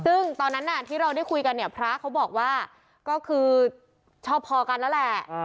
ซึ่งตอนนั้นที่เราได้คุยกันเนี่ยพระเขาบอกว่าก็คือชอบพอกันแล้วแหละ